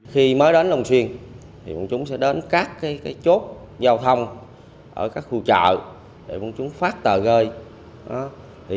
khi mới đến long xuyên thì bọn chúng sẽ đến các chốt giao thông ở các khu chợ để bọn chúng phát tờ rơi